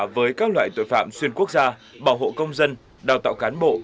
với các loại tội phạm xuyên quốc gia bảo hộ công dân đào tạo cán bộ